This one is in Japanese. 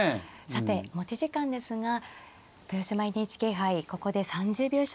さて持ち時間ですが豊島ＮＨＫ杯ここで３０秒将棋に入りました。